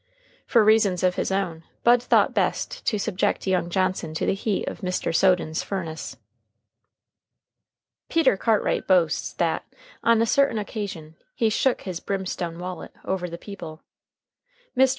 For reasons of his own, Bud thought best to subject young Johnson to the heat of Mr. Soden's furnace. Peter Cartwright boasts that, on a certain occasion, he "shook his brimstone wallet" over the people. Mr.